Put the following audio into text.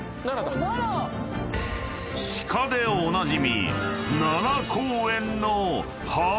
［鹿でおなじみ］